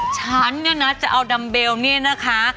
ฉันจะเอาดัมเปลลนี่นะคะ